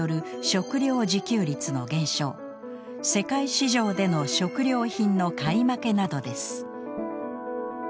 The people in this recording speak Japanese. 世界市場での食料品の買い負けなどです。